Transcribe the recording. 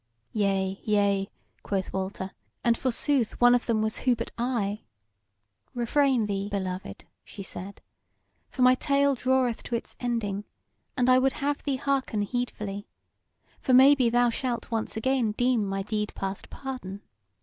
"Yea, yea," quoth Walter; "and, forsooth, one of them was who but I." "Refrain thee, beloved!" she said; "for my tale draweth to its ending, and I would have thee hearken heedfully: for maybe thou shalt once again deem my deed past pardon.